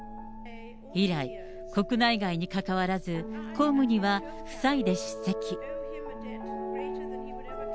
以来、国内外にかかわらず、公務には夫妻で出席。